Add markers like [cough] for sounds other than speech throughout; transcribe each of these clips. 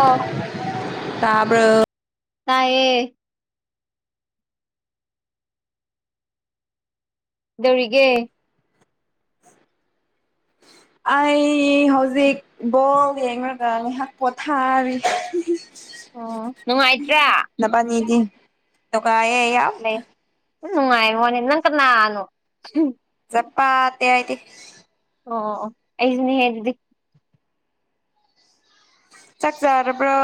ꯑꯥꯎ ꯇꯥꯕ꯭ꯔꯣ ꯇꯥꯏꯌꯦ ꯗꯧꯔꯤꯒꯦ ꯑꯩ ꯍꯧꯖꯤꯛ ꯕꯣꯜ ꯌꯦꯡꯔꯥꯒ ꯉꯥꯏꯍꯥꯛ ꯄꯣꯊꯥꯔꯤ ꯑꯣ ꯅꯨꯡꯉꯥꯏꯇ꯭ꯔꯥ ꯅꯕꯥꯅꯤꯗꯤ ꯅꯨꯉꯥꯏꯌꯦ ꯌꯝ ꯈꯨꯅꯨꯡꯉꯥꯏ ꯃꯅꯤ ꯅꯪ ꯀꯅꯥꯅꯣ [unintelligible] ꯑꯣ ꯑꯣ ꯑꯩꯖꯨꯅꯦꯍꯦ ꯑꯗꯨꯗꯤ ꯆꯥꯛ ꯆꯥꯔꯕ꯭ꯔꯣ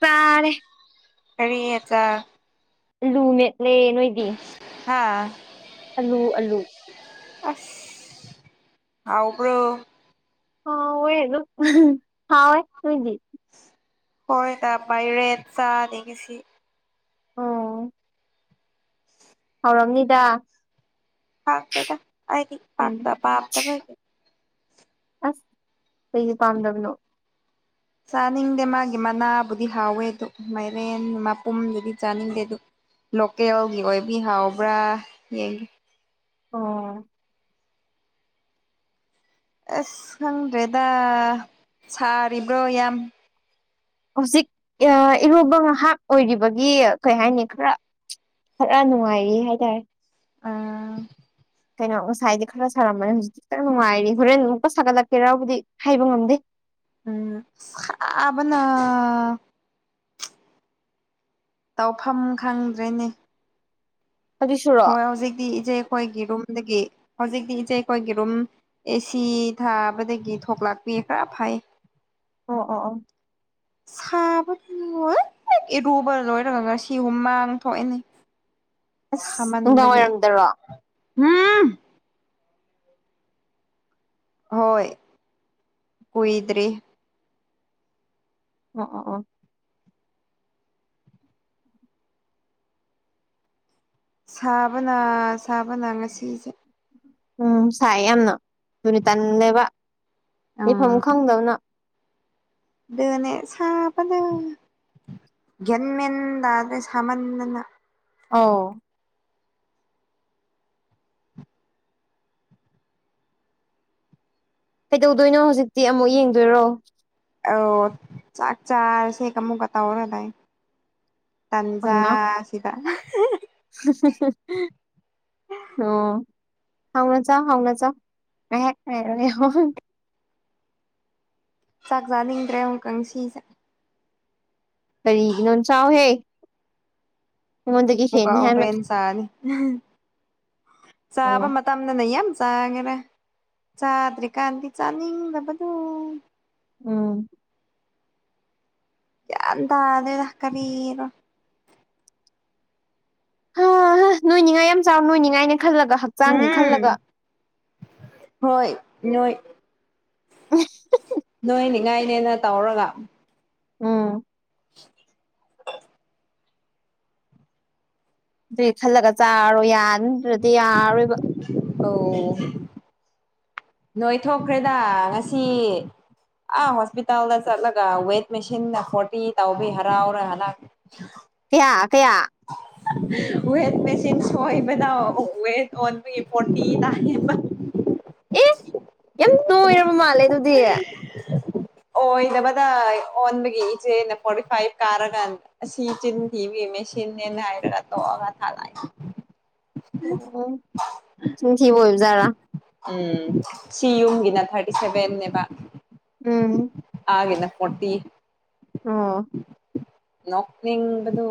ꯆꯥꯔꯦ ꯀꯔꯤ ꯑꯦꯟꯆꯥ ꯏꯜꯂꯨ ꯃꯦꯠꯂꯦ ꯅꯣꯏꯗꯤ ꯍꯥꯥ ꯑꯥꯜꯂꯨ ꯑꯥꯜꯂꯨ ꯑꯁ ꯍꯥꯎꯕ꯭ꯔꯣ ꯍꯥꯎꯋꯦ ꯑꯗꯨꯝ ꯍꯥꯎꯋꯦ ꯅꯣꯏꯗꯤ ꯍꯣꯏꯇꯥ ꯄꯥꯏꯔꯦꯠ ꯆꯥꯅꯤ ꯉꯁꯤ ꯑꯣ ꯍꯥꯎꯔꯝꯅꯤꯗ ꯍꯥꯎꯇꯦꯗ ꯑꯩꯗꯤ ꯎꯝ ꯄꯥꯛꯇꯥ ꯄꯥꯝꯇꯕꯩ ꯑꯁ ꯀꯩꯒꯤ ꯄꯥꯝꯗꯕꯅꯣ [inaudible] ꯆꯥꯅꯤꯡꯗꯦ ꯃꯥꯒꯤ ꯃꯅꯥꯕꯨꯗꯤ ꯍꯥꯎꯋꯦ ꯑꯗꯨ ꯃꯥꯏꯔꯦꯟ ꯃꯄꯨꯝꯗꯨꯗꯤ ꯆꯥꯅꯤꯡꯗꯦ ꯗꯨ ꯂꯣꯀꯦꯜꯒꯤ ꯑꯣꯏꯕꯤ ꯍꯥꯎꯕ꯭ꯔꯥ ꯌꯦꯡꯒꯦ ꯑꯣ ꯑꯁ ꯈꯪꯗ꯭ꯔꯦꯗ ꯁꯥꯔꯤꯕ꯭ꯔꯣ ꯌꯥꯝ ꯍꯧꯖꯤꯛ ꯑꯥ ꯏꯔꯨꯕ ꯉꯥꯏꯍꯥꯛ ꯑꯣꯏꯒꯤꯕꯒꯤ ꯀꯩ ꯍꯥꯏꯅꯤ ꯈꯔ ꯈꯔ ꯅꯨꯡꯉꯥꯏꯌꯦ ꯍꯥꯏꯇꯥꯔꯦ ꯑꯥ ꯀꯩꯅꯣ ꯉꯁꯥꯏꯗꯤ ꯈꯔ ꯁꯥꯔꯝꯕꯅꯤ ꯍꯧꯖꯤꯛꯇꯤ ꯈꯤꯇꯪ ꯅꯨꯡꯉꯥꯏꯔꯤ ꯍꯣꯔꯦꯟ ꯑꯃꯨꯛꯀ ꯁꯥꯒꯠꯂꯛꯀꯦꯔꯥꯕꯨꯗꯤ ꯍꯥꯏꯕ ꯉꯝꯗꯦ ꯎꯝ ꯁꯥꯕꯅ ꯇꯧꯐꯝ ꯈꯪꯗ꯭ꯔꯦꯅꯦ ꯍꯧꯖꯤꯛꯁꯨꯔꯣ ꯍꯣꯏ ꯑꯣ ꯍꯧꯖꯤꯛꯇꯤ ꯏꯆꯦ ꯈꯣꯏꯒꯤ ꯔꯨꯝꯗꯒꯤ ꯍꯧꯖꯤꯛꯇꯤ ꯏꯆꯦ ꯈꯣꯏꯒꯤ ꯔꯨꯝ ꯑꯦꯁꯤ ꯊꯥꯕꯗꯒꯤ ꯊꯣꯛꯂꯛꯄꯤ ꯈꯔ ꯐꯩ ꯑꯣ ꯑꯣ ꯑꯣ ꯁꯥꯕꯒꯤ [unintelligible] ꯏꯔꯨꯕ ꯂꯣꯏꯔꯒ ꯉꯁꯤ ꯍꯨꯃꯥꯡ ꯊꯣꯛꯑꯦꯅꯦ ꯑꯁ ꯅꯨꯡꯗꯥꯡ ꯋꯥꯏꯔꯝꯗꯔꯣ ꯍꯨꯝ ꯍꯣꯏ ꯀꯨꯏꯗ꯭ꯔꯤ ꯑꯣ ꯑꯣ ꯑꯣ ꯁꯥꯕꯅ ꯁꯥꯕꯅ ꯉꯁꯤꯁꯦ ꯎꯝ ꯁꯥꯏꯌꯦ ꯌꯥꯝꯅ ꯗꯨꯅꯤ ꯇꯟꯂꯦꯕ ꯂꯩꯐꯝ ꯈꯪꯗꯕꯅ ꯗꯨꯅꯦ ꯁꯥꯕꯅ ꯒ꯭ꯌꯟ ꯃꯦꯟ ꯇꯥꯗ꯭ꯔꯦ ꯁꯥꯃꯟꯗꯅ ꯑꯧ ꯀꯩꯗꯧꯗꯣꯏꯅꯣ ꯍꯧꯖꯤꯛꯇꯤ ꯑꯃꯨꯛ ꯌꯦꯡꯗꯣꯏꯔꯣ ꯑꯧ ꯆꯥꯛ ꯆꯥꯔꯁꯦꯒ ꯑꯃꯨꯛꯀ ꯇꯧꯔ ꯂꯩ ꯇꯥꯟꯖꯥ ꯍꯩꯃꯥ ꯁꯤꯗ [unintelligible] ꯑꯣ ꯍꯥꯎꯅ ꯆꯥꯎ ꯍꯥꯎꯅ ꯆꯥꯎ [unintelligible] ꯆꯥꯛ ꯆꯥꯅꯤꯡꯗ꯭ꯔꯦ ꯑꯃꯨꯛꯀ ꯉꯁꯤꯁꯦ ꯀꯔꯤꯒꯤꯅꯣ ꯆꯥꯎꯍꯦ ꯑꯩꯉꯣꯟꯗꯒꯤ ꯃꯨꯛꯀꯥ ꯍꯦꯟꯅꯤ ꯍꯥꯏꯃ ꯍꯣꯔꯦꯟ ꯆꯥꯅꯤ ꯑꯣ ꯆꯥꯕ ꯃꯠ ꯇꯝꯗꯅꯥ ꯌꯥꯝ ꯆꯥꯒꯔꯦ ꯆꯥꯗ꯭ꯔꯤꯀꯥꯟꯗꯤ ꯆꯥꯅꯤꯡꯗꯕꯗꯣ ꯎꯝ ꯒ꯭ꯌꯥꯟ ꯇꯥꯗꯦꯗ ꯀꯔꯤꯅꯣ ꯅꯣꯏꯅꯤꯉꯥꯏ ꯌꯥꯝ ꯆꯥꯎ ꯅꯣꯏꯅꯤꯉꯥꯏꯅꯦ ꯈꯜꯂꯒ ꯍꯛ ꯍꯨꯝ ꯍꯣꯏ ꯅꯣꯏ [unintelligible] ꯅꯣꯏꯅꯤꯉꯥꯏꯅꯦꯅ ꯇꯧꯔꯒ ꯎꯝ ꯗꯨꯏ ꯈꯜꯂꯒ ꯆꯥꯔꯣ ꯌꯥ ꯅꯠꯇ꯭ꯔꯗꯤ ꯌꯥꯔꯔꯣꯏꯕ ꯑꯧ ꯅꯣꯏ ꯊꯣꯛꯈ꯭ꯔꯦꯗ ꯉꯁꯤ ꯑꯥ ꯍꯣꯁꯄꯤꯇꯥꯜꯗ ꯆꯠꯂꯒ ꯋꯦꯠ ꯃꯦꯁꯤꯟꯗ ꯐꯣꯔꯇꯤ ꯇꯧꯕꯩ ꯍꯔꯥꯎꯔ ꯍꯂꯛ [inaudible] ꯀꯌꯥ ꯀꯌꯥ [inaudible] ꯋꯦꯠ ꯃꯦꯆꯤꯟ ꯁꯣꯏꯕꯗꫭ ꯋꯦꯠ ꯑꯣꯟꯕꯒꯤ ꯐꯣꯔꯇꯤ ꯇꯥꯏꯌꯦꯕ [inaudible] ꯑꯦ ꯌꯥꯝ ꯅꯣꯏꯔꯕ ꯃꯥꯜꯂꯦ ꯑꯗꯨꯗꯤ ꯑꯣꯏꯗꯕꯗ ꯑꯣꯟꯕꯒꯤ ꯏꯆꯦꯅ ꯐꯣꯔꯇꯤ ꯐꯥꯏꯚ ꯀꯥꯔꯀꯥꯟꯗ ꯑꯁꯤ ꯆꯤꯟꯅ ꯊꯤꯕꯤ ꯃꯦꯁꯤꯟꯅꯦꯅ ꯍꯥꯏꯔꯒ ꯇꯣꯛꯑꯒ ꯊꯥꯂꯥꯏ [inaudible] ꯆꯤꯟ ꯊꯤꯕ ꯑꯣꯏꯕꯖꯥꯠꯂꯥ ꯎꯝ ꯁꯤ ꯌꯨꯝꯒꯤꯅ ꯊꯥꯔꯇꯤ ꯁꯕꯦꯟꯅꯦꯕ ꯎꯝ ꯑꯥꯒꯤꯅ ꯐꯣꯔꯇꯤ ꯑꯣ ꯅꯣꯛꯅꯤꯡꯕꯗꯣ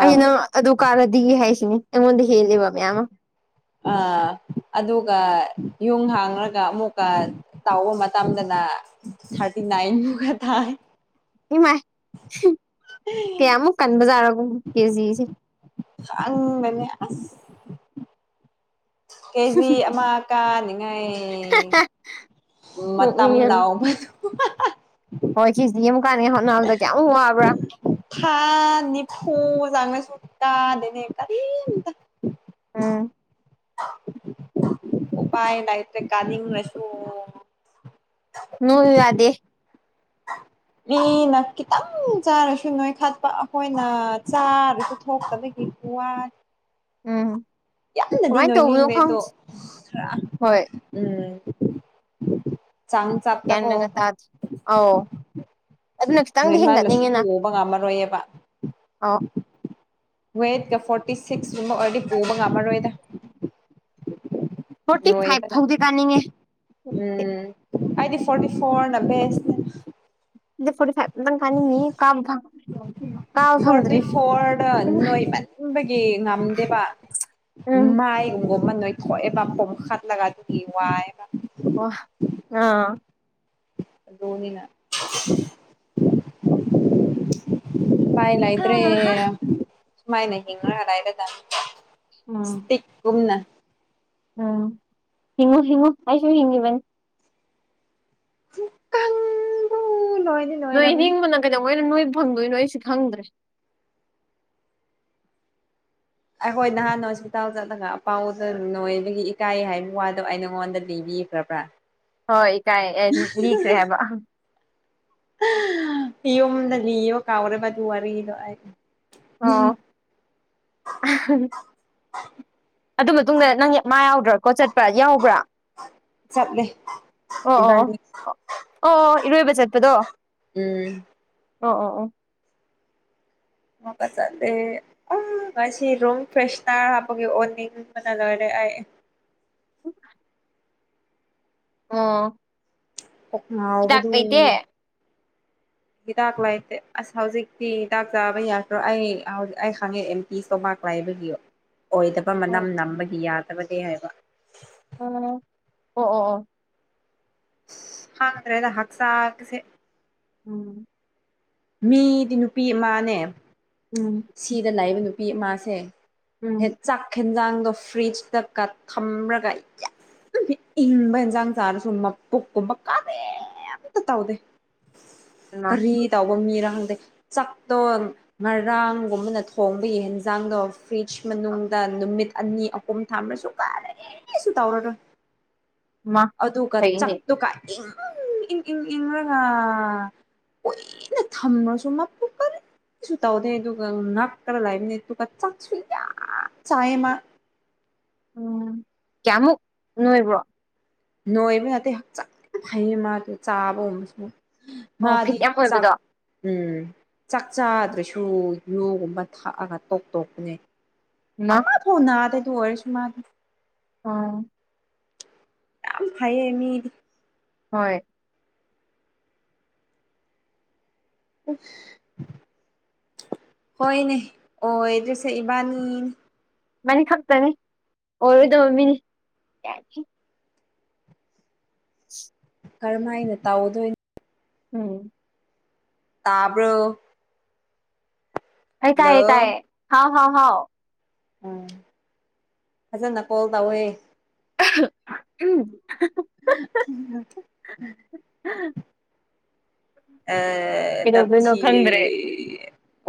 ꯑꯩ ꯅꯪ ꯑꯗꯨ ꯀꯥꯔꯗꯤ ꯍꯥꯏꯁꯤꯅꯤ ꯑꯩꯉꯣꯟꯗ ꯍꯦꯜꯂꯦꯕ ꯃꯌꯥꯝꯃ ꯑꯥ ꯑꯗꯨꯒ ꯌꯨꯡ ꯍꯥꯡꯔꯒ ꯑꯃꯨꯛꯀ ꯇꯧꯕ ꯃꯇꯝꯗꯅ ꯊꯥꯔꯇꯤ ꯅꯥꯏꯟꯃꯨꯛꯒ ꯊꯥꯏ ꯏꯃꯥꯏ ꯀꯌꯥꯃꯨꯛ ꯀꯟꯕꯖꯥꯔꯣ ꯀꯦꯖꯤꯁꯦ ꯈꯪꯗꯦꯅꯦ ꯑꯁ ꯀꯦꯖꯤ ꯑꯃ ꯀꯥꯅꯤꯉꯥꯏ ꯃꯇꯝ ꯅꯣꯛꯅꯤꯡꯉꯦ ꯌꯥꯝ ꯂꯥꯎꯕꯗꯨ ꯍꯣꯏ ꯀꯦꯖꯤ ꯑꯃ ꯀꯥꯟꯅꯤꯡꯉꯥꯏ ꯍꯧꯠꯅꯕꯗ ꯀꯌꯥꯝ ꯋꯥꯕ꯭ꯔꯥ ꯊꯥ ꯅꯤꯐꯨ ꯆꯪꯔꯁꯨ ꯀꯗꯦꯅꯦ ꯀꯔꯤꯝꯇ ꯎꯝ [unintelligible] ꯎꯄꯥꯏ ꯂꯧꯇ꯭ꯔꯦ ꯀꯥꯅꯤꯡꯔꯁꯨ ꯅꯣꯏꯌꯨ ꯌꯥꯗꯦ [unintelligible] ꯃꯤꯅ ꯈꯤꯇꯪ ꯆꯥꯔꯁꯨ ꯅꯣꯏ ꯈꯠꯄ ꯑꯈꯣꯏꯅ ꯆꯥꯔꯁꯨ ꯊꯣꯛꯇꯕꯒꯤ ꯋꯥꯟ ꯎꯝ ꯌꯥꯝꯅꯗꯤ ꯀꯃꯥꯏꯅ ꯇꯧꯕꯅꯣ ꯅꯣꯏꯅꯤꯡꯗꯦꯗꯣ ꯈꯪꯗꯦ ꯈꯔ ꯍꯣꯏ ꯎꯝ ꯆꯥꯡ ꯒ꯭ꯌꯥꯟ ꯆꯥꯞꯇꯀꯣ ꯃꯦꯟꯒ ꯇꯥꯗꯦ ꯑꯧ ꯑꯗꯨꯅ ꯈꯤꯇꯪꯗꯤ ꯅꯣꯏꯃꯣꯟꯂꯁꯨ ꯍꯦꯟꯒꯠꯅꯤꯡꯉꯤꯅ ꯄꯨꯕ ꯉꯝꯃꯔꯣꯏꯑꯕ ꯑꯧ ꯋꯦꯠꯀ ꯐꯣꯔꯇꯤ ꯁꯤꯛꯁꯀꯨꯝꯕ ꯑꯣꯏꯔꯗꯤ ꯄꯨꯕ ꯉꯝꯃꯔꯣꯏꯗ ꯐꯣꯔꯇꯤ ꯐꯥꯏ ꯅꯣꯏꯕꯅ ꯐꯥꯎꯗꯤ ꯀꯥꯅꯤꯡꯉꯦ ꯎꯝ ꯑꯩꯗꯤ ꯐꯣꯔꯇꯤ ꯐꯣꯔꯅ ꯕꯦꯁꯅꯦ ꯑꯩꯗꯤ ꯐꯣꯔꯇꯤꯐꯥꯏꯚ ꯑꯝꯇꯪ ꯀꯅꯤꯡꯉꯤ ꯀꯥꯕ ꯐꯪ ꯀꯥꯥꯕ ꯐꯪꯗ꯭ꯔꯤ ꯏꯃꯥꯏ ꯇꯨꯝꯕꯒꯤ ꯉꯝꯗꯦꯕ ꯎꯝ ꯃꯥꯏꯒꯨꯝꯕ ꯑꯃ ꯅꯣꯏ ꯈꯣꯑꯦꯕ ꯄꯣꯝꯈꯠꯂꯒ ꯑꯗꯨꯒꯤ ꯋꯥꯥꯏꯌꯦꯕ ꯑꯣ ꯅꯪ ꯑꯗꯨꯅꯤꯅ ꯎꯄꯥꯏ ꯍꯥ ꯂꯩꯇ꯭ꯔꯦ ꯍꯥ ꯁꯨꯃꯥꯏꯅ ꯍꯤꯡꯔꯒ ꯂꯩꯔꯗꯕꯅꯤ ꯎꯝ ꯏꯁꯄꯤꯡ ꯒꯨꯝꯅ ꯎꯝ ꯍꯤꯉꯨ ꯍꯤꯉꯨ ꯑꯩꯁꯨ ꯍꯤꯡꯉꯤꯕꯅꯤ ꯗꯨ ꯀꯪꯕꯨ ꯂꯣꯏꯔꯦ ꯅꯣꯏ ꯅꯤꯡꯕꯅ ꯀꯩꯗꯧꯉꯩꯅꯣ ꯅꯣꯏ ꯐꯪꯗꯣꯏꯅꯣ ꯑꯩꯁꯨ ꯈꯪꯗ꯭ꯔꯦ ꯑꯩꯈꯣꯏ ꯅꯍꯥꯟ ꯍꯣꯁꯄꯤꯇꯥꯜ ꯆꯠꯂꯒ ꯑꯄꯥꯎꯗ ꯅꯣꯏꯕꯒꯤ ꯏꯀꯥꯏ ꯍꯥꯏꯕ ꯋꯥꯗꯣ ꯑꯩ ꯅꯉꯣꯟꯗ ꯂꯤꯕꯤꯈ꯭ꯔ ꯕ꯭ꯔꯥ ꯍꯣꯏ ꯇꯥꯏ ꯑ ꯂꯤꯈꯔꯦ ꯍꯥꯏꯕ ꯌꯨꯝꯗ ꯂꯤꯕ ꯀꯥꯎꯔꯕ ꯑꯗꯨ ꯋꯥꯔꯤꯗꯣ ꯑꯩ ꯑꯣ ꯑꯗꯨ ꯃꯇꯨꯡꯗ ꯅꯪꯒꯤ ꯃꯥ ꯌꯥꯎꯗ꯭ꯔꯥ ꯀꯣ ꯆꯠꯄ ꯌꯥꯎꯕ꯭ꯔꯥ ꯆꯠꯂꯦ ꯑꯣ ꯑꯣ ꯏꯕꯥꯅꯤ ꯑꯣ ꯑꯣ ꯑꯣ ꯏꯔꯣꯏꯕ ꯆꯠꯄꯗꯣ ꯎꯝ ꯑꯣ ꯑꯣ ꯑꯣ [unintelligible] ꯑ ꯉꯁꯤ ꯔꯨꯝ ꯐ꯭ꯔꯦꯁꯅꯔ ꯍꯥꯞꯄꯒꯤ ꯑꯣꯅꯤꯡꯕꯅ ꯂꯣꯏꯔꯦ ꯑꯩ ꯑꯣ ꯀꯣꯛ ꯍꯤꯗꯥꯛ ꯉꯥꯎꯕꯗꯨ ꯂꯩꯇꯦ ꯍꯤꯗꯥꯛ ꯂꯥꯏꯇꯦ ꯑꯁ ꯍꯧꯖꯤꯛꯇꯤ ꯍꯤꯗꯥꯛ ꯆꯥꯕ ꯌꯥꯗ꯭ꯔꯣ ꯑꯩ ꯑꯩ ꯈꯪꯉꯛꯑꯦ ꯇꯤ ꯁꯇ꯭ꯣꯃꯥꯛ ꯂꯥꯏꯕꯒꯤ ꯑꯣꯏꯗꯕ ꯑꯣ ꯃꯅꯝ ꯅꯝꯕꯒꯤ ꯌꯥꯗꯕꯅꯦ ꯍꯥꯏꯕ ꯑ ꯑꯣ ꯑꯣ ꯑꯣ ꯑꯁ ꯈꯪꯗ꯭ꯔꯦꯗ ꯍꯛꯆꯥꯡꯒꯁꯦ ꯎꯝ ꯃꯤꯗꯤ ꯅꯨꯄꯤ ꯑꯃꯥꯅꯦ ꯎꯝ ꯁꯤꯗ ꯂꯩꯕ ꯅꯨꯄꯤ ꯑꯃꯁꯦ ꯍꯦꯛ ꯎꯝ ꯆꯥꯛ ꯍꯦꯟꯖꯥꯡꯗꯣ ꯐ꯭ꯔꯤꯖꯇꯒ ꯊꯝꯔꯒ ꯌꯥ ꯏꯪꯕ ꯏꯟꯁꯥꯡ ꯆꯥꯔꯁꯨ ꯃꯄꯨꯛꯀꯨꯝꯕ ꯀꯔꯤꯝꯇ ꯇꯧꯗꯦ ꯃꯥ ꯀꯔꯤ ꯇꯧꯕ ꯃꯤꯔ ꯈꯪꯗꯦ ꯆꯥꯛꯇꯣ ꯉꯔ ꯔꯥꯡꯒꯨꯝꯕꯅ ꯊꯣꯡꯕꯒꯤ ꯍꯤꯟꯖꯥꯡꯗꯣ ꯐ꯭ꯔꯤꯖ ꯃꯅꯨꯡꯗ ꯅꯨꯃꯤꯠ ꯑꯅꯤ ꯑꯍꯨꯝ ꯊꯝꯔꯁꯨ ꯀꯔꯤ ꯔꯤꯁꯨ ꯇꯧꯔꯔꯣꯏ ꯃꯥ ꯑꯗꯨꯒ ꯐꯩꯅꯦ ꯆꯛꯇꯨ ꯀꯥꯏ ꯏꯪꯪ ꯏꯪ ꯏꯪ ꯏꯪꯔꯒ ꯀꯨꯏꯅ ꯊꯝꯔꯁꯨ ꯃꯄꯨ ꯀꯔꯤ ꯁꯨ ꯇꯧꯗꯦ ꯑꯗꯨꯒ ꯉꯛ ꯇꯔ ꯂꯩꯕꯅꯦ ꯑꯗꯨꯒ ꯆꯥꯛꯁꯨ ꯌꯥꯝ ꯆꯥꯏꯌꯦ ꯃꯥ ꯎꯝ ꯀꯌꯥꯃꯨꯛ ꯅꯣꯏꯕ꯭ꯔꯣ ꯅꯣꯏꯕ ꯅꯠꯇꯦ ꯍꯛꯆꯥꯡ ꯌꯝ ꯐꯩꯌꯦ ꯃꯥꯗꯤ ꯆꯥꯕꯒꯨꯝꯕꯁꯨ ꯑꯣ ꯃꯥꯗꯤ ꯐꯤꯠ ꯌꯥꯝ ꯆꯥꯛ ꯑꯣꯏꯕꯗꯣ ꯎꯝ ꯆꯥꯛ ꯆꯥꯗ꯭ꯔꯁꯨ ꯌꯨꯒꯨꯝꯕ ꯊꯛꯑꯒ ꯇꯣꯛ ꯇꯣꯛꯄꯅꯦ ꯃꯥ ꯍꯨ ꯅꯥꯗꯦ ꯗꯨꯑꯣꯏꯔꯁꯨ ꯃꯥꯗꯤ ꯑꯣ ꯌꯥꯝ ꯐꯩꯌꯦ ꯃꯤꯗꯤ ꯍꯣꯏ ꯍꯣꯏꯅꯦ ꯑꯣꯏꯗꯔ꯭ꯤꯁꯦ ꯏꯕꯥꯅꯤꯅꯤ ꯏꯕꯥꯅꯤ ꯈꯛꯇꯅꯤ ꯑꯣꯏꯔꯣꯏꯗꯕ ꯃꯤꯅꯤ ꯌꯥ [inaudible] ꯀꯔꯝ ꯍꯥꯏꯅ ꯇꯧꯗꯣꯏ ꯎꯝ ꯇꯥꯕꯔꯣ ꯑꯩ ꯍꯜꯂꯣ ꯇꯥꯏꯌꯦ ꯇꯏꯌꯦ ꯍꯥꯎ ꯍꯥꯎ ꯍꯥꯎ ꯎꯝ ꯐꯖꯅ ꯀꯣꯜ ꯇꯧꯋꯦ ꯎꯝ [inaudible] ꯑꯦ ꯀꯩꯗꯧꯗꯣꯏꯅꯣ ꯅꯝꯊꯤꯌꯦ ꯈꯪꯗ꯭ꯔꯦ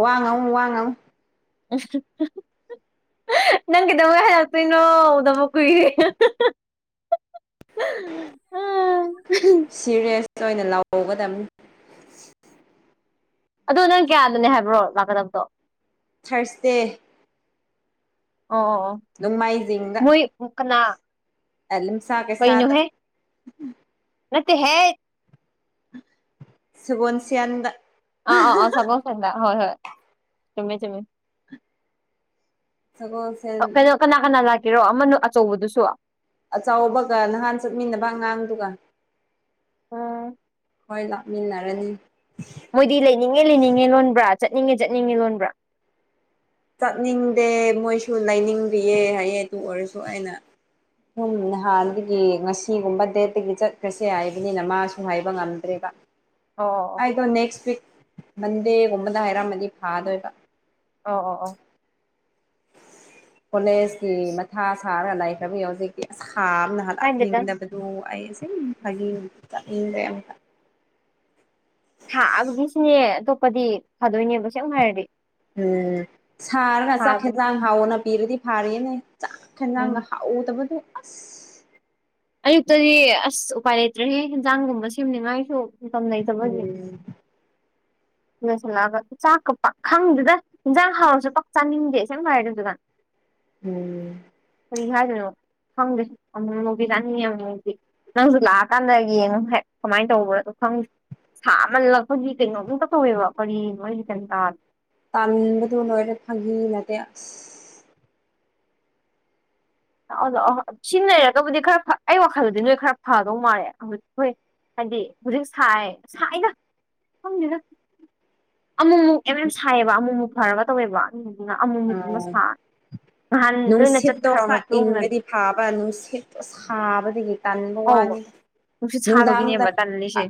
ꯋꯥꯉꯥꯡꯉꯨ ꯋꯥꯉꯥꯡꯉꯨ [inaudible] ꯅꯪ ꯀꯩꯗꯧꯉꯩ ꯍꯜꯂꯛꯇꯣꯏꯅꯣ ꯎꯗꯕ ꯀꯨꯏꯔꯦ ꯑꯥ ꯁꯤꯔꯤꯌꯁꯇ ꯑꯣꯏꯅ ꯂꯧꯒꯗꯝꯅꯤ ꯑꯗꯣ ꯅꯪ ꯀꯌꯥꯗꯅꯦ ꯍꯥꯏꯕ꯭ꯔꯣ ꯂꯥꯛꯀꯗꯕꯗꯣ ꯊꯥꯔꯁꯗꯦ ꯑꯣ ꯑꯣ ꯑꯣ ꯅꯣꯡꯃꯥꯏꯖꯤꯡꯗ ꯍꯨ ꯀꯅꯥ ꯑꯦ ꯂꯤꯝꯁꯥ ꯀꯩꯁꯥꯥꯗ ꯅꯠꯇꯦ ꯍꯦꯠ ꯁꯒꯣꯟꯁꯌꯦꯟꯗ ꯑ ꯑ ꯑ ꯁꯒꯣꯜꯁꯦꯜꯗ ꯍꯣꯏ ꯍꯣꯏ ꯆꯨꯝꯃꯦ ꯆꯨꯝꯃꯦ ꯁꯒꯣꯜꯁꯦꯜ ꯀꯩꯅꯣ ꯀꯅꯥ ꯀꯅꯥ ꯂꯥꯛꯀꯦꯔꯣ ꯑꯃꯅ ꯑꯆꯧꯕꯗꯨꯁꯨ ꯑꯆꯧꯕꯒ ꯅꯍꯥꯟ ꯆꯠꯃꯤꯟꯅꯕ ꯑꯉꯥꯡꯗꯨꯒ ꯎꯝ ꯍꯣꯏ ꯂꯥꯛ ꯃꯤꯟꯅꯔꯅꯤ ꯃꯣꯏꯗꯤ ꯂꯩꯅꯤꯡꯉꯦ ꯂꯩꯅꯤꯡꯉꯦ ꯂꯣꯟꯕ꯭ꯔꯥ ꯆꯠꯅꯤꯡꯉꯦ ꯆꯠꯅꯤꯡꯉꯦ ꯂꯣꯟꯕ꯭ꯔꯥ ꯆꯠꯅꯤꯡꯗꯦ ꯃꯣꯏꯁꯨ ꯂꯩꯅꯤꯡꯕꯤꯌꯦ ꯍꯥꯏꯌꯦ ꯑꯗꯨ ꯑꯣꯏꯔꯁꯨ ꯑꯩꯅ ꯁꯨꯝ ꯅꯍꯥꯟꯗꯒꯤ ꯉꯁꯤꯒꯨꯝꯕ ꯗꯦꯠꯇꯒꯤ ꯆꯠꯈ꯭ꯔꯁꯦ ꯍꯥꯏꯕꯅꯤꯅ ꯃꯥꯁꯨ ꯍꯥꯏꯕ ꯉꯝ ꯐꯖꯩꯌꯦꯕ ꯑꯣ ꯑꯣ ꯑꯩꯗꯣ ꯅꯦꯛꯁ ꯋꯤꯛ ꯃꯟꯗꯣ ꯒꯨꯝꯕꯗ ꯍꯥꯏꯔꯝꯃꯗꯤ ꯐꯥꯗꯣꯏꯕ ꯑꯣ ꯑꯣ ꯑꯣ ꯀꯣꯂꯦꯖꯀꯤ ꯃꯊꯥ ꯁꯥꯔꯒ ꯂꯥꯏꯈ꯭ꯔꯕꯒꯤ ꯍꯧꯖꯤꯛꯇꯤ ꯁꯥꯕꯅ ꯀꯥꯏꯗꯦꯗ ꯂꯥꯛꯅꯤꯡꯗꯕꯗꯨ ꯑꯩ ꯑꯁꯦ ꯐꯥꯒꯤ ꯆꯠꯅꯤꯡꯗꯦ ꯑꯃꯨꯀ ꯍꯥ ꯑꯗꯨꯒꯤ ꯁꯤꯅꯦ ꯑꯇꯣꯞꯄꯗꯤ ꯐꯗꯣꯏꯅꯦꯕ ꯁꯦꯝ ꯍꯥꯏꯔꯗꯤ ꯎꯝ ꯁꯥꯔꯒ ꯆꯥꯛ ꯊꯥꯕ ꯈꯦꯟꯖꯥꯡ ꯍꯥꯎꯅ ꯄꯤꯔꯗꯤ ꯐꯥꯔꯤꯌꯦꯅꯦ ꯆꯥꯛ ꯎꯝ ꯈꯦꯟꯖꯥꯡꯒ ꯍꯥꯎ ꯎꯇꯕꯒꯤ ꯑꯁ ꯑꯌꯨꯛꯇꯗꯤ ꯑꯁ ꯎꯄꯥꯏ ꯂꯩꯇ꯭ꯔꯦꯍꯦ ꯍꯟꯖꯥꯡꯒꯨꯝꯕ ꯁꯦꯝꯅꯤꯉꯥꯏꯁꯨ ꯃꯇꯝ ꯂꯩꯇꯕꯒꯤ ꯎꯝ ꯂꯣꯏꯁꯤꯜꯂꯛꯑꯒ ꯆꯥꯛꯀ ꯄ ꯈꯪꯗꯦꯗ ꯏꯟꯖꯥꯡ ꯍꯥꯎꯔꯁꯨ ꯄꯥꯛ ꯆꯥꯅꯤꯡꯗꯦ ꯁꯝ ꯍꯥꯏꯔꯦꯗꯨꯒ ꯎꯝ ꯀꯔꯤ ꯍꯥꯏꯗꯣꯏꯅꯣ ꯈꯪꯗꯦ ꯑꯃꯨꯛꯃꯨꯀꯤ ꯄꯤꯔꯛꯑꯅꯤ ꯑꯃꯨꯃꯨꯛꯇꯤ ꯅꯪꯁꯨ ꯂꯥꯛꯑꯀꯥꯟꯗ ꯌꯦꯡꯉꯨ ꯍꯦꯛ ꯀꯃꯥꯏꯅ ꯇꯧꯕ꯭ꯔꯣꯗꯣ ꯈꯪꯗꯦ ꯁꯥꯃꯜꯂꯛꯄꯒꯤ ꯀꯩꯅꯣꯝ ꯇꯧꯋꯦꯕ ꯀꯔꯤꯅꯣ ꯑꯩꯁꯨ ꯒꯌꯥꯟ ꯇꯥꯗꯦ ꯇꯥꯟꯕꯗ ꯂꯣꯏꯔꯦ ꯐꯒꯤ ꯅꯠꯇꯦ ꯑꯁ ꯑꯗꯣ ꯑ ꯁꯤꯖꯤꯟꯅ ꯂꯩꯔꯒꯕꯨꯗꯤ ꯈꯔ ꯐꯥ ꯑꯩ ꯋꯥꯈꯜꯗꯗꯤ ꯅꯣꯏ ꯈꯔ ꯐꯗꯧ ꯃꯥꯜꯂꯦ ꯍꯣꯏ ꯍꯥꯏꯗꯤ ꯍꯧꯖꯤꯛ ꯁꯥꯏ ꯁꯥꯏꯗ ꯈꯪꯗꯦꯗ ꯑꯃꯨꯛ ꯃꯨꯛ ꯑꯦꯝ ꯑꯦꯝ ꯁꯥꯏꯌꯦꯕ ꯑꯃꯨꯛ ꯃꯨꯛ ꯐꯔꯒ ꯇꯧꯋꯦꯕ ꯎ ꯑ ꯑꯃꯨꯃꯨꯛ ꯀꯨꯝꯕ ꯁꯥ ꯅꯍꯥꯟ ꯅꯣꯏꯅ ꯆꯠꯈ꯭ꯔꯕ ꯃꯇꯨꯡꯗꯗꯤ ꯍꯥꯕ ꯅꯨꯡꯁꯤꯠ ꯁꯥꯕꯗꯒꯤ ꯇꯥꯟꯕ ꯑꯧ ꯋꯥꯅꯤ ꯅꯨꯡꯁꯤꯠ ꯅꯨꯡꯗꯥꯡꯗ ꯁꯥꯕꯒꯤꯅꯦꯕ ꯇꯜꯂꯤꯁꯦ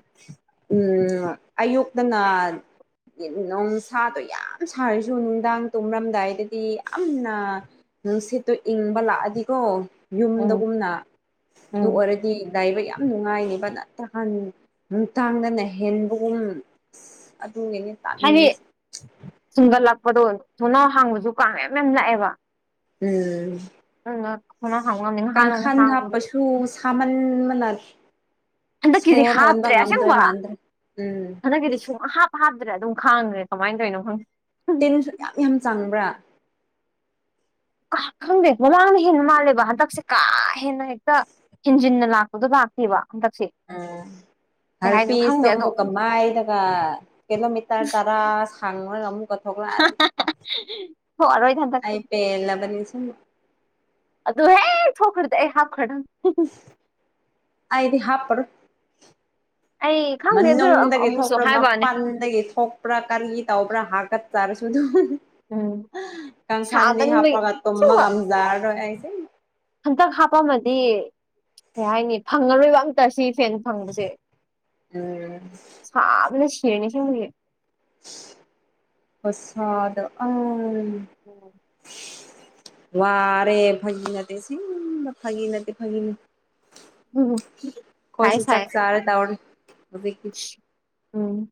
ꯎꯝ ꯑꯌꯨꯛꯇꯅ ꯅꯣꯡꯁꯥꯗꯣ ꯌꯥꯝ ꯁꯥꯔꯁꯨ ꯅꯨꯡꯗꯥꯡ ꯇꯨꯃꯝ ꯗꯥꯏꯗꯗꯤ ꯌꯥꯝꯅ ꯅꯨꯡꯁꯤꯠꯇꯨ ꯏꯪꯕ ꯂꯥꯛꯑꯗꯤꯀꯣ ꯎꯝ ꯌꯨꯝꯗꯒꯨꯝꯅ ꯑꯗꯨ ꯎꯝ ꯑꯣꯏꯔꯗꯤ ꯂꯏꯕ ꯌꯥꯝ ꯅꯨꯡꯉꯥꯏꯅꯤꯕ ꯅꯠꯇ꯭ꯔꯥꯟ ꯅꯨꯡꯗꯥꯡꯗꯅ ꯍꯦꯟꯕꯒꯨꯝ ꯑꯗꯨꯅꯤꯅꯦ ꯇꯟꯂꯤꯁꯦ ꯆꯨꯝꯒꯠꯂꯛꯄꯗꯣ ꯊꯣꯡꯅꯥꯎ ꯍꯥꯡꯕꯁꯨ ꯀꯥꯡ ꯃꯌꯥꯝ ꯃꯌꯥꯝ ꯂꯥꯛꯑꯦꯕ ꯎꯝ ꯑꯗꯨꯅ ꯊꯦꯡꯅꯥꯎ ꯍꯥꯡꯕ ꯉꯝꯗꯦ ꯉꯍꯥꯟꯑꯃꯨꯛ ꯍꯥꯡꯉꯨꯕꯗ ꯇꯧ ꯁꯃꯥꯟ ꯃꯅꯨꯡꯥ ꯍꯟꯗꯛꯀꯤꯗꯤ ꯍꯥꯞꯇ꯭ꯔꯦ ꯑꯁꯦꯡꯕ ꯃꯥꯟꯗ꯭ꯔꯦ ꯎꯝ ꯍꯟꯗꯛꯀꯤꯗꯤ ꯁꯨꯡ ꯍꯥꯞ ꯍꯥꯞꯗ꯭ꯔꯦ ꯑꯗꯨꯝ ꯈꯥꯡꯉ꯭ꯔꯦ ꯀꯃꯥꯏꯅ ꯇꯧꯔꯤꯅꯣ ꯈꯪꯗꯦ ꯇꯦꯟꯁꯨ ꯌꯥꯝ ꯌꯥꯝ ꯆꯪꯕ꯭ꯔꯥ ꯈꯪꯗꯦ ꯃꯃꯥꯡꯅ ꯍꯦꯟꯅ ꯃꯥꯜꯂꯦꯕ ꯍꯟꯗꯛꯁꯦ ꯀꯥ ꯍꯦꯟꯅ ꯍꯦꯛꯇ ꯍ‌ꯦꯟꯖꯤꯟꯅ ꯂꯥꯛꯄꯗꯣ ꯂꯥꯛꯇꯦꯕ ꯍꯟꯗꯛꯁꯦ ꯎꯝ ꯀꯩ ꯍꯥꯏꯅꯣ ꯍꯔꯄꯤꯁ ꯈꯪꯗꯦ ꯇ ꯑꯗꯣ ꯃꯨ ꯀꯃꯥꯏ ꯅ ꯀꯂꯣꯃꯤꯇꯔ ꯇꯔꯥꯁ ꯁꯥꯡꯉꯣꯏ ꯉꯃꯛ [unintelligible] ꯑ ꯄꯦꯂꯕꯅꯤꯁꯤꯡ ꯑꯗꯨꯗ ꯍꯦꯛ ꯊ‌ꯣꯛꯈ꯭ꯔꯗꯤ ꯍꯥꯞꯈ꯭ꯔꯥꯗꯝ ꯑꯏꯗꯤ ꯍꯥꯞꯄꯔ‌ꯣꯏ ꯑꯩ ꯈꯪꯗꯦ ꯑꯗꯨ ꯃꯅꯨꯡꯗꯒꯤꯗꯒꯤ ꯑꯃꯨꯛꯁꯨ ꯊꯣꯛꯄ꯭ꯔ ꯍꯥꯏꯕꯋꯥꯅꯦ ꯃꯄꯥꯟ ꯑꯗꯒꯤ ꯊꯣꯛꯄ꯭ꯔꯥ ꯀꯔꯤꯒꯤ ꯇꯧꯕ꯭ꯔꯥ ꯍꯥꯀꯠ ꯆꯥꯔꯁꯨ ꯑꯗꯨꯝ ꯎꯝ ꯀꯥꯡꯈꯥꯟꯗꯤ ꯁꯥꯃꯟꯕꯒꯤ ꯍꯥꯞꯄꯒ ꯇꯨꯝꯃ ꯉꯖꯔꯔꯣꯏ ꯑꯩꯁꯦ ꯍꯟꯇꯛ ꯍꯥꯞꯄꯝꯃꯗꯤ ꯀꯩ ꯍꯥꯏꯅꯤ ꯐꯪꯉꯔꯣꯏꯕ ꯑꯝꯇ ꯁꯤ ꯐꯦꯟ ꯐꯪꯕꯁꯦ ꯎꯝ ꯁꯥꯕꯅ ꯁꯤꯔ‌ꯦꯅ‌ꯦ ꯑꯁ‌ꯦꯡꯕꯒꯤ ꯄꯁꯥꯗ ꯎꯝ ꯎꯝ ꯋꯥꯔꯦ ꯐꯒꯤ ꯅꯠꯇꯦ ꯁꯤ ꯐꯥꯒꯤ ꯅꯠꯇꯦ ꯐꯒꯤꯅ ꯎꯝ ꯁꯥꯏ ꯀꯣꯏꯁꯨ ꯁꯥꯏ ꯆꯥꯛ ꯆꯔꯦ ꯇꯧꯔꯤ ꯍꯧꯖꯤꯛꯇꯤ ꯎꯝ